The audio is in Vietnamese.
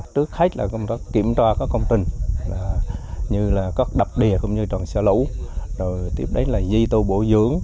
trước hết là công tác kiểm tra các công trình như đập đề tròn xe lũ dây tô bổ dưỡng